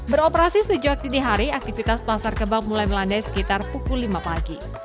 beroperasi sejak dini hari aktivitas pasar kebab mulai melandai sekitar pukul lima pagi